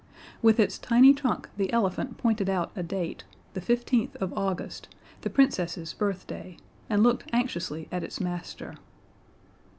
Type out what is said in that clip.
With its tiny trunk the elephant pointed out a date the fifteenth of August, the Princess's birthday, and looked anxiously at its master.